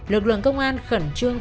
lực lượng công an khẩn trương